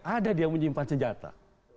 ada dia menyimpan senjata